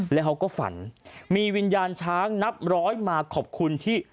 แล้วเขาก็ฝันมีวิญญาณช้างนับร้อยมาขอบคุณที่